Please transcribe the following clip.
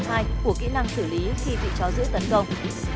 của kỹ năng xử lý khi bị chó giữ tấn công